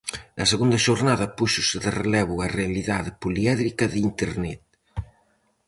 Na segunda xornada, púxose de relevo a "realidade poliédrica de Internet".